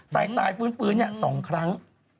แต่ตายฟื้นเนี่ย๒ครั้ง